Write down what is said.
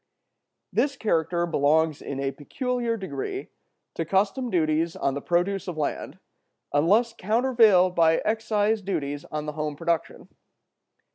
This character belongs in a peculiar degree to custom duties on the produce of land, unless countervailed by excise duties on the home production.